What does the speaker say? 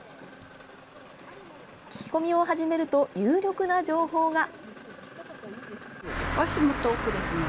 聞き込みを始めると有力な情報が！